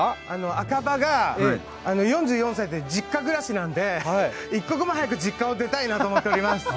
赤羽が４４歳で実家暮らしなので一刻も早く実家を出たいなと思っています。